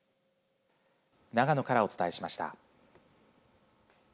長野からお伝えしました。